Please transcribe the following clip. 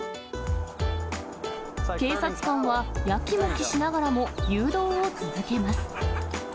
警察官はやきもきしながらも、誘導を続けます。